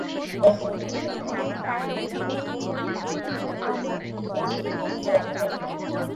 বর্তমানে তিনি আন্তঃ-প্রাদেশিক সমন্বয় সম্পর্কিত সিনেট কমিটির চেয়ারপারসন হিসেবে দায়িত্ব পালন করছেন।